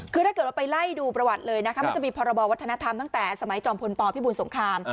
คือถ้าเกิดว่าไปไล่ดูประวัติเลยนะคะมันจะมีพรบวัฒนธรรมตั้งแต่สมัยจอมพลปพิบูลสงคราม